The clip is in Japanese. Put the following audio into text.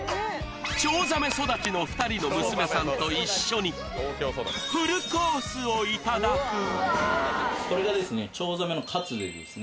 チョウザメ育ちの２人の娘さんと一緒にフルコースをいただくこれがですねチョウザメのカツでですね